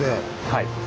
はい。